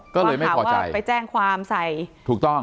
ก็เลยไม่ปลอดภัยว่าไปแจ้งความใส่ถูกต้อง